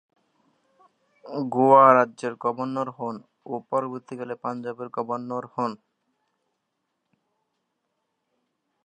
গোয়া রাজ্যের গভর্নর হন ও পরবর্তীকালে পাঞ্জাবের গভর্নর হন।